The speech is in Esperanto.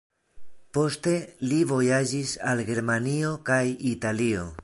Poste li vojaĝis al Germanio kaj Italio.